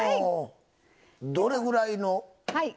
どれぐらいの時間？